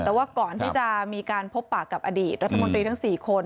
แต่ว่าก่อนที่จะมีการพบปากกับอดีตรัฐมนตรีทั้ง๔คน